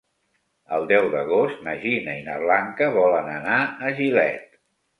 El deu d'agost na Gina i na Blanca volen anar a Gilet.